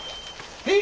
へい！